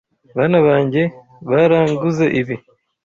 Bana banjye baranguze ibi.